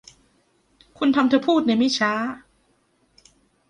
คุณทำเธอพูดในไม่ช้า